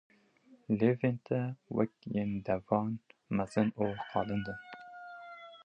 Lêvên te wek yên devan mezin û qalind in.